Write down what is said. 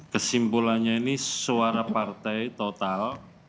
kesimpulannya ini suara partai total